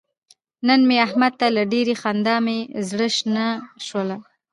نن مې احمد ته له ډېرې خندا مې زره شنه شوله.